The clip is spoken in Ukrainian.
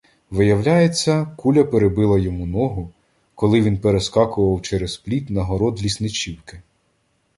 Виявляється, куля перебила йому ногу, коли він перескакував через пліт на город лісничівки.